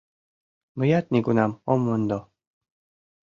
Мыят нигунам ом мондо.